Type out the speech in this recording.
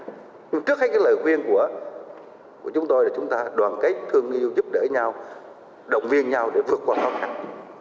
trước hết cái lời khuyên của chúng tôi là chúng ta đoàn kết thương yêu giúp đỡ nhau động viên nhau để vượt qua khó khăn